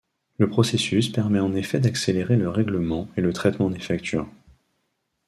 Le processus permet en effet d'accélérer le règlement et le traitement des factures.